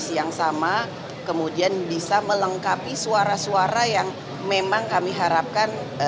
jadi misi yang sama kemudian bisa melengkapi suara suara yang memang kami harapkan